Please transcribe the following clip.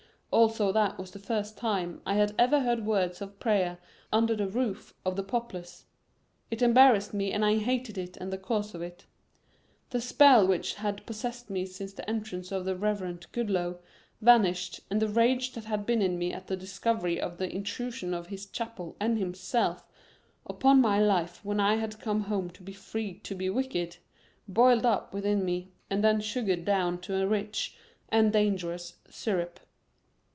Also that was the first time I had ever heard words of prayer under the roof of the Poplars. It embarrassed me and I hated it and the cause of it. The spell which had possessed me since the entrance of the Reverend Goodloe, vanished, and the rage that had been in me at the discovery of the intrusion of his chapel and himself upon my life when I had come home to be free to be wicked, boiled up within me and then sugared down to a rich and dangerous syrup.